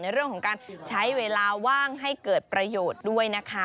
เรื่องของการใช้เวลาว่างให้เกิดประโยชน์ด้วยนะคะ